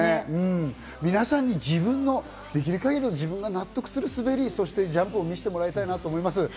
皆さんに自分のできる限り、納得する滑りやジャンプを見せてもらいたいなと思います。